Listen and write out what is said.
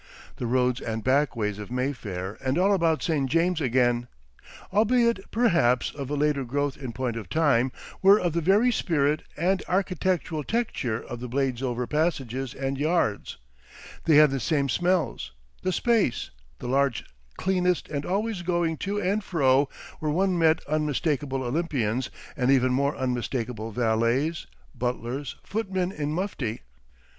The roads and back ways of Mayfair and all about St. James's again, albeit perhaps of a later growth in point of time, were of the very spirit and architectural texture of the Bladesover passages and yards; they had the same smells, the space, the large cleanest and always going to and fro where one met unmistakable Olympians and even more unmistakable valets, butlers, footmen in mufti.